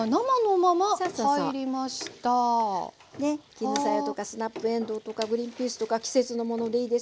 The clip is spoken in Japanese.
絹さやとかスナップえんどうとかグリンピースとか季節のものでいいですよ。